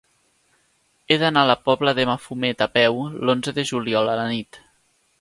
He d'anar a la Pobla de Mafumet a peu l'onze de juliol a la nit.